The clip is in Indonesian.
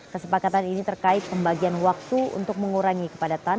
kesepakatan ini terkait pembagian waktu untuk mengurangi kepadatan